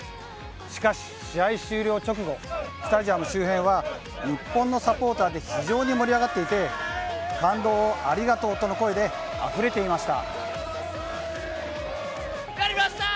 しかし試合終了直後スタジアム周辺は日本のサポーターで非常に盛り上がっていて感動をありがとうとの声であふれていました。